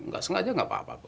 gak sengaja gak apa apa